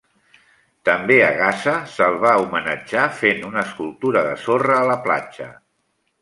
També a Gaza se'l va homenatjar fent una escultura de sorra a la platja.